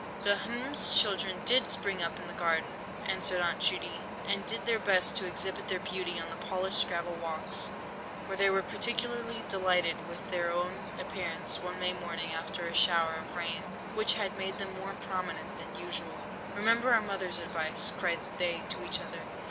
"The—hm's—children did spring up in the garden," answered Aunt Judy, "and did their best to exhibit their beauty on the polished gravel walks, where they were particularly delighted with their own appearance one May morning after a shower of rain, which had made them more prominent than usual. 'Remember our mother's advice,' cried they to each other.